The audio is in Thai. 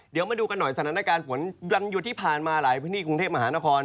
เดี๋ยวมาดูกันหน่อยสถานการณ์ฝนดังอยู่ที่ผ่านมาหลายพื้นที่กรุงเทพมหานคร